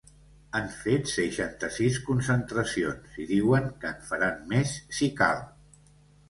Han fet seixanta-sis concentracions, i diuen que en faran més si cal.